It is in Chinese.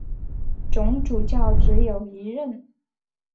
总主教只有一任。